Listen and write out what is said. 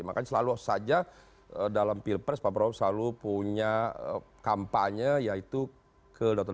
makanya selalu saja dalam pilpres pak prabowo selalu punya kampanye yaitu kedaton